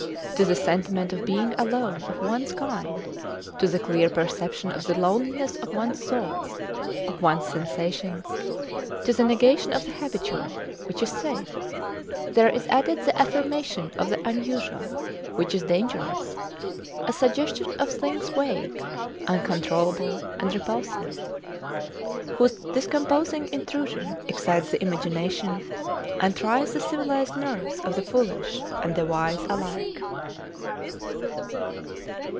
To the sentiment of being alone of ones kind, to the clear perception of the loneliness of ones thoughts, of ones sensations to the negation of the habitual, which is safe, there is added the affirmation of the unusual, which is dangerous; a suggestion of things vague, uncontrollable, and repulsive, whose discomposing intrusion excites the imagination and tries the civilized nerves of the foolish and the wise alike.